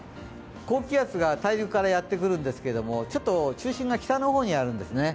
高気圧が大陸からやってくるんですけれども、ちょっと中心が北の方にあるんですね。